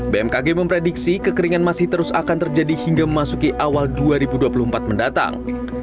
bmkg memprediksi kekeringan masih terus akan terjadi hingga memasuki awal dua ribu dua puluh empat mendatang